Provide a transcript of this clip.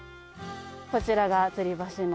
こちらがつり橋の。